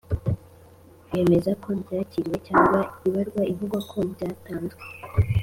yemeza ko byakiriwe cyangwa ibarwa ivuga ko byatanzwe